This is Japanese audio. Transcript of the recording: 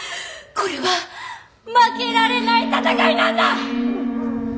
これは負けられない戦いなんだ！